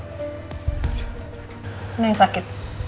gak ada yang sakit